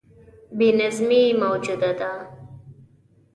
بې نظمي موجوده ده.